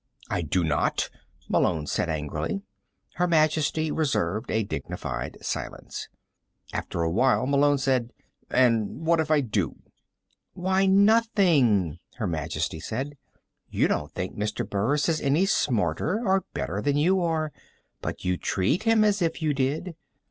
"I do not," Malone said angrily. Her Majesty reserved a dignified silence. After a while Malone said: "And what if I do?" "Why, nothing," Her Majesty said. "You don't think Mr. Burris is any smarter or better than you are but you treat him as if you did.